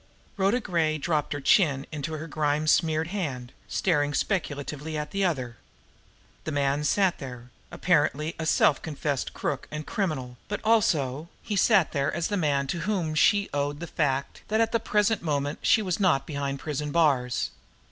Rhoda Gray dropped her chin in her grime smeared hand, staring speculatively at the other. The man sat there, apparently a self confessed crook and criminal, but, also, he sat there as the man to whom she owed the fact that at the present moment she was not behind prison bars.